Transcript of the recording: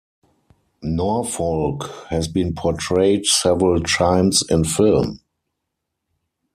Norfolk has been portrayed several times in film.